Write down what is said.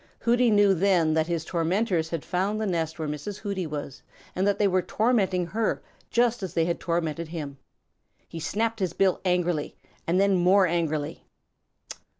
Hooty knew then that his tormentors had found the nest where Mrs. Hooty was, and that they were tormenting her just as they had tormented him. He snapped his bill angrily and then more angrily.